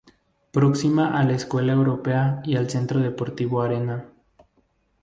Próxima a la Escuela Europea y al Centro Deportivo Arena.